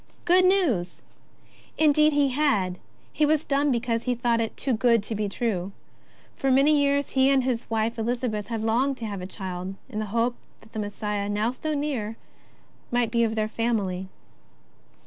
Good news! Indeed he had; he was dumb because he had thought it too good to be true. For many years he and his wife Elizabeth had longed to have a child, in the hope that the Messiah, now so near, might be of their family.